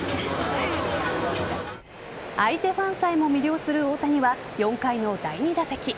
相手ファンさえも魅了する大谷は４回の第２打席。